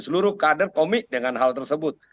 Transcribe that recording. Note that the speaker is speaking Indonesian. seluruh kader komit dengan hal tersebut